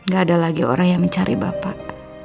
gak ada lagi orang yang mencari bapak